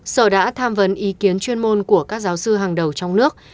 sở đã tham vấn ý kiến chuyên môn của các giáo sư hàng đầu trong nước